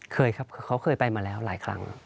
เคยครับเขาเคยไปมาแล้วหลายครั้ง